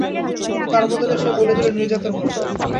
কিন্তু তার বদলে সে বলে দিলো নির্যাতন করবে।